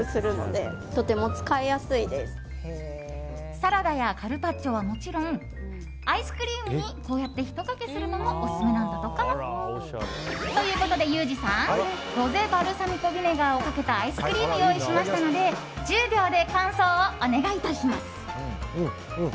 サラダやカルパッチョはもちろんアイスクリームにこうやって、ひとかけするのもオススメなんだとか。ということで、ユージさんロゼバルサミコヴィネガーをかけたアイスクリームを用意しましたので１０秒で感想をお願いします！